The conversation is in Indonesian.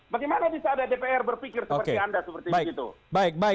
bagaimana bisa ada dpr berpikir seperti anda